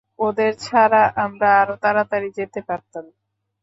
ওদের ছাড়া আমরা আরো তাড়াতাড়ি যেতে পারতাম।